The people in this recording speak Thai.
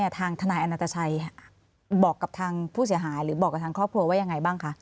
ทางทนายอนัตชัยบอกกับทางผู้เสียหายหรือบอกกับทางครอบครัวว่ายังไงบ้างคะ